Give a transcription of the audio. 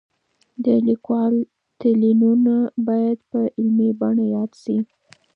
د لیکوالو تلینونه باید په علمي بڼه یاد شي.